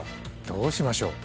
どうしましょう。